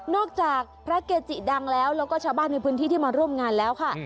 จากพระเกจิดังแล้วแล้วก็ชาวบ้านในพื้นที่ที่มาร่วมงานแล้วค่ะ